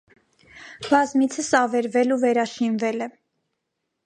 Բազմիցս ավերվել ու վերաշինվել է։